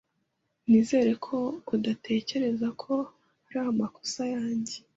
Nizere ko udatekereza ko ari amakosa yanjye.